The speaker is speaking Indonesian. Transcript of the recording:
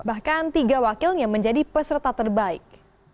bahkan tiga wakilnya menjadi peserta terbaik